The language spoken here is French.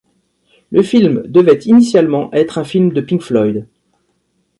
Le film devait initialement être un film de Pink Floyd.